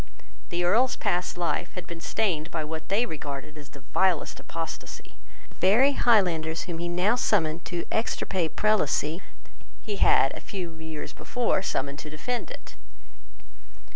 The Earl's past life had been stained by what they regarded as the vilest apostasy. The very Highlanders whom he now summoned to extirpate Prelacy he had a few years before summoned to defend it.